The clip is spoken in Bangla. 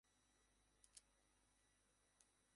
সে যেভাবে আছে সেভাবেই ঠিক।